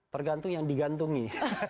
tergantung yang digantungi